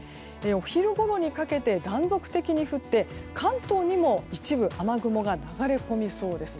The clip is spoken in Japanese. お昼ごろにかけて断続的に降って関東にも一部雨雲が流れ込みそうです。